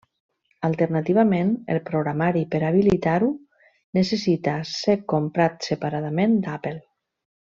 Alternativament, el programari per habilitar-ho necessita ser comprat separadament d'Apple.